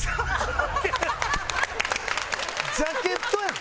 ジャケットやん！